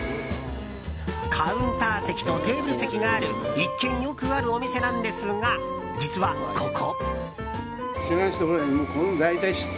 カウンター席とテーブル席がある一見よくあるお店なんですが実は、ここ。